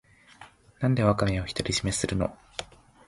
なんでワカメを独り占めするの